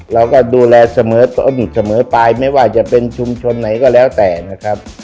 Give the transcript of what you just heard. เราก็ดูแลเสมอต้นเสมอไปไม่ว่าจะเป็นชุมชนไหนก็แล้วแต่นะครับ